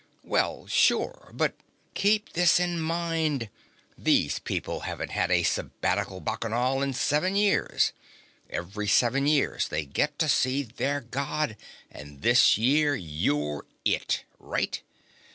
"Well, sure, but " "Keep this in mind. These people haven't had a Sabbatical Bacchanal in seven years. Every seven years they get to see their God and this year you're it. Right?"